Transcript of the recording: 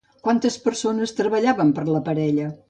Quantes persones treballaven per la parella?